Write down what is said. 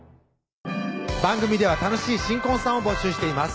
番組では楽しい新婚さんを募集しています